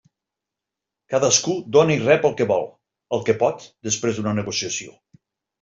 Cadascú dóna i rep el que vol, el que pot, després d'una negociació.